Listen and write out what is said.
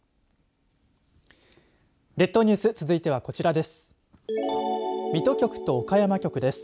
列島ニュース続いてはこちらです。